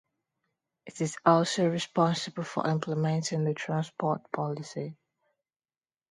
It is also responsible for implementing the transport policy.